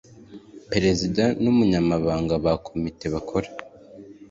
perezida n umunyamabanga ba komite bakora